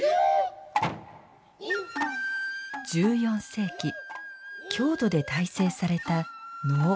１４世紀、京都で大成された能。